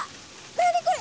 何これ！？